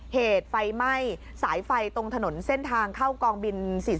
เหตุไฟไหม้สายไฟตรงถนนเส้นทางเข้ากองบิน๔๔